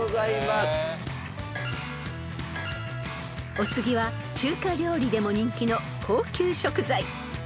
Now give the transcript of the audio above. ［お次は中華料理でも人気の高級食材］